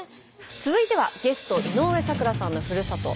続いてはゲスト井上咲楽さんのふるさと